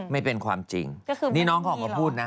ไม่เป็นความจริงนี่น้องเขาออกมาพูดนะ